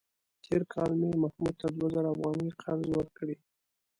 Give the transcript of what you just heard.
تېر کال مې محمود ته دوه زره افغانۍ قرض ورکړې.